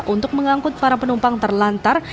untuk mengangkut para penumpang terlantar